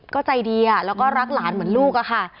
ก็ใจดีแล้วก็รักหลานเหมือนลูกอะค่ะ